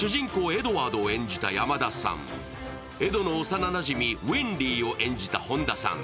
エドワードを演じた山田さん、エドの幼なじみ、ウィンリィを演じた本田さん。